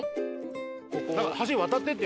「橋を渡って」って。